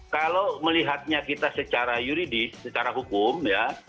kalau melihatnya kita secara yuridis secara hukum ya